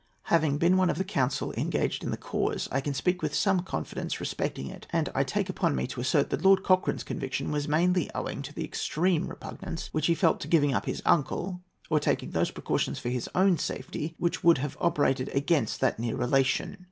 Having been one of the counsel engaged in the cause, I can speak with some confidence respecting it, and I take upon me to assert that Lord Cochrane's conviction was mainly owing to the extreme repugnance which he felt to giving up his uncle, or taking those precautions for his own safety which would have operated against that near relation.